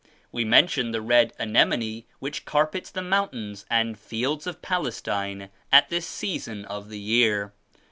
We mentioned the red anemone which carpets the mountains and fields of Pales tine at this season of the year.